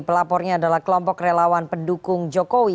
pelapornya adalah kelompok relawan pendukung jokowi